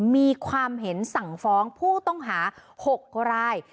มีความเห็นสั่งฟ้องผู้ต้องหา๖ราย